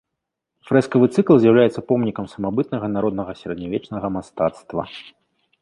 Фрэскавы цыкл з'яўляецца помнікам самабытнага народнага сярэднявечнага мастацтва.